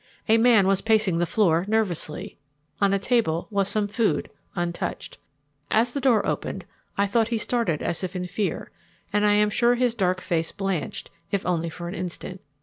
A man was pacing the floor nervously. On a table was some food, untouched. As the door opened I thought he started as if in fear, and I am sure his dark face blanched, if only for an instant.